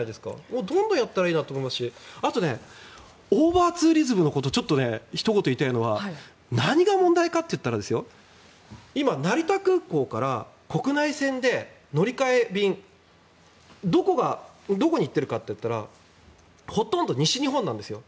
どんどんやったらいいしあとオーバーツーリズムのことでひと言言いたいのは何が問題かというと今、成田空港から国内線で乗り換え便どこに行っているかというとほとんど西日本なんですよ。